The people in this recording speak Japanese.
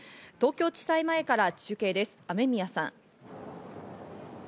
東京地裁前から中継です、雨宮さん。